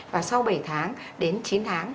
và sau bảy tháng đến chín tháng